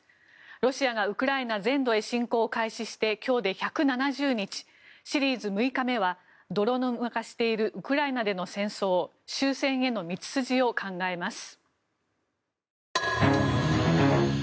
ロシアがウクライナ全土へ侵攻を開始して今日で１７０日シリーズ６日目は泥沼化しているウクライナでの戦争終戦への道筋を考えます。